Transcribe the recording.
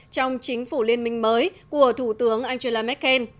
trong chính phủ liên minh mới của thủ tướng angela merkel